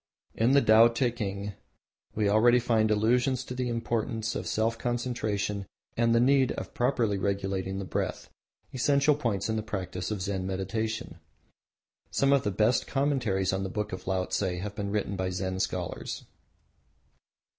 In the Tao teking we already find allusions to the importance of self concentration and the need of properly regulating the breath essential points in the practice of Zen meditation. Some of the best commentaries on the Book of Laotse have been written by Zen scholars.